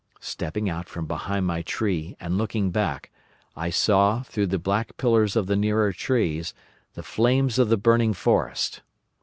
"Stepping out from behind my tree and looking back, I saw, through the black pillars of the nearer trees, the flames of the burning forest.